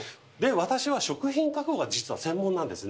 私は食品加工が実は専門なんですね。